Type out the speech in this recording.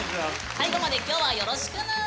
最後まで今日はよろしくぬん。